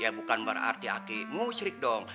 ya bukan berarti aki musyrik dong